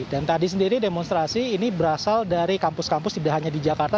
dan tadi sendiri demonstrasi ini berasal dari kampus kampus tidak hanya di jakarta